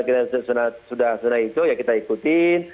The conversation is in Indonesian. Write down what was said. kita sudah zona hijau ya kita ikutin